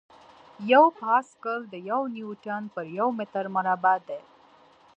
یو پاسکل د یو نیوټن پر یو متر مربع دی.